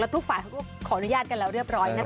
ทุกฝ่ายเขาก็ขออนุญาตกันแล้วเรียบร้อยนะคะ